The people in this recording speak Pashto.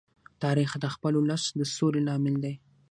تاریخ د خپل ولس د سولې لامل دی.